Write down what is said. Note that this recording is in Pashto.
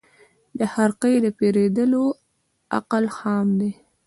د خرقې د پېرودلو عقل خام دی